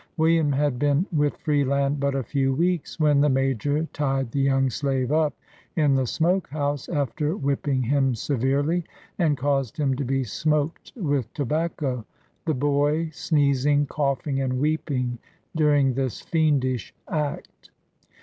William had been with Freeland but a few weeks, when the Major tied the young slave up in the smoke house, after whipping him severely, and caused him to be smoked with tobac co, the boy sneezing, coughing and weeping during this fiendish act.